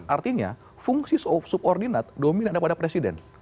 artinya fungsi subordinat dominan daripada presiden